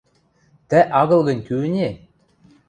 – Тӓ агыл гӹнь, кӱ ӹне?!